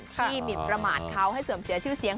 หมินประมาทเขาให้เสื่อมเสียชื่อเสียง